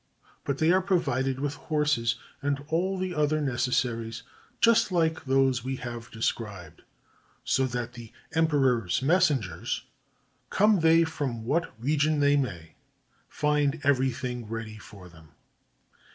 But they are provided with horses and all the other necessaries just like those we have described, so that the emperor's messengers, come they from what region they may, find everything ready for them.